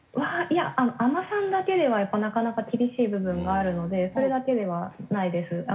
いや海女さんだけではやっぱなかなか厳しい部分があるのでそれだけではないです。